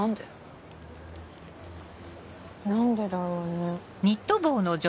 何でだろうね？